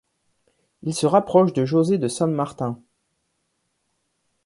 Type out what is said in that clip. Il se rapproche de José de San Martín.